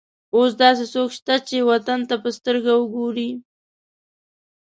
اوس داسې څوک شته چې وطن ته په سترګه وګوري.